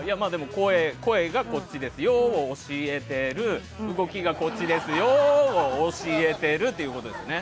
声がこっちですよを教えてる動きがこっちですよを教えてるってことですね。